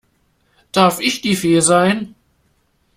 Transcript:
Darf ich die Fee sein?